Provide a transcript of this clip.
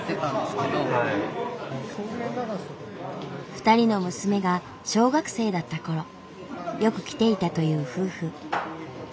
２人の娘が小学生だったころよく来ていたという夫婦。